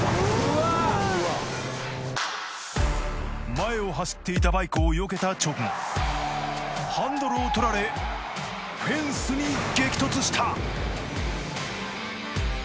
前を走っていたバイクをよけた直後ハンドルをとられフェンスに激突した！